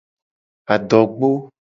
Adogbo.